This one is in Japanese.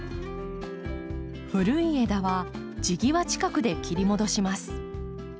古い枝は地際近くで切り戻します。